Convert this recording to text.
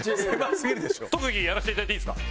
特技やらせていただいていいですか？